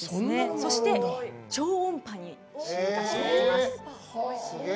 そして超音波に進化していきます。